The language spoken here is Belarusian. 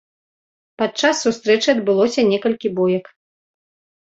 Падчас сустрэчы адбылося некалькі боек.